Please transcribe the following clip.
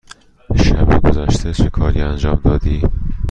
شب گذشته چه کاری انجام دادی؟